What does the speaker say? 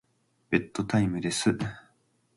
ベッドタイムです。